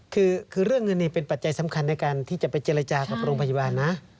คือเรื่องเงินเป็นปัจจัยสำคัญในการที่จะไปเจรจากับโรงพยาบาลนะ